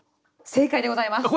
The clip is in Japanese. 正解でございます！